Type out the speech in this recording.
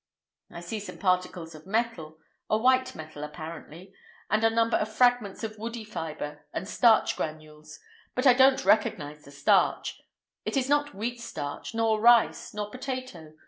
"I see some particles of metal—a white metal apparently—and a number of fragments of woody fibre and starch granules, but I don't recognize the starch. It is not wheat starch, nor rice, nor potato.